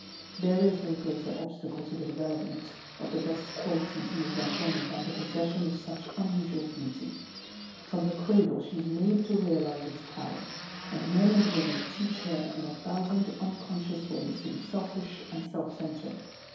There is no greater obstacle to the development of the best qualities in a young woman than the possession of such unusual beauty. From her cradle she is made to realize its power, and men and women teach her in a thousand unconscious ways to be selfish and self centred.